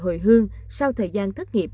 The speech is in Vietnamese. và người hồi hương sau thời gian thất nghiệp